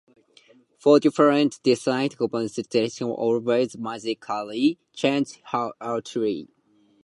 For different destinations, Zanthia always magically changes her attire.